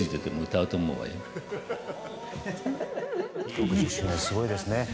６０周年すごいですね。